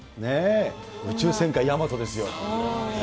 宇宙戦艦ヤマトですよ。